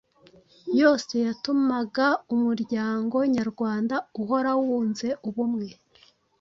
yose yatumaga umuryango nyarwanda uhora wunze ubumwe,